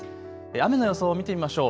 雨の予想を見てみましょう。